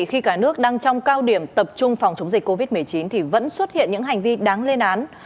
khi cả nước đang trong cao điểm tập trung phòng chống dịch covid một mươi chín thì vẫn xuất hiện những hành vi đáng lên án